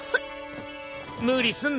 無理すんなよ